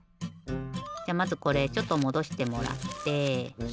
じゃまずこれちょっともどしてもらって。